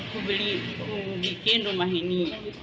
kubelit kubikin rumah ini